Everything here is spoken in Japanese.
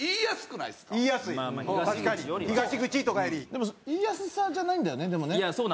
でも言いやすさじゃないんだよねでもね。